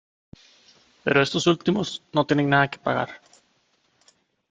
Pero estos últimos no tienen nada que pagar.